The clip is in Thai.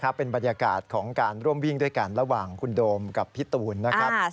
เป็นบรรยากาศของการร่วมวิ่งด้วยกันระหว่างคุณโดมกับพี่ตูนนะครับ